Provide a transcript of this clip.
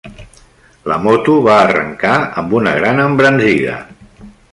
La moto va arrencar amb una gran embranzida.